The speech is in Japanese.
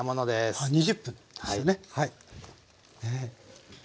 あ２０分ですよねはい。